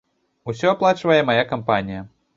Усё аплачвае мая кампанія.